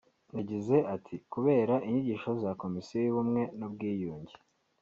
yagize ati ”kubera inyigisho za Komisiyo y’Ubumwe n’Ubwiyunge